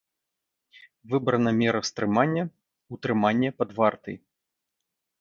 Выбрана мера стрымання — утрыманне пад вартай.